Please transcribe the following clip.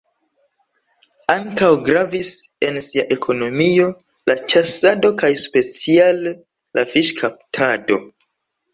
Ankaŭ gravis en sia ekonomio la ĉasado kaj speciale la fiŝkaptado.